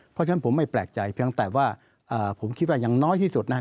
เพราะฉะนั้นผมไม่แปลกใจเพียงแต่ว่าผมคิดว่าอย่างน้อยที่สุดนะครับ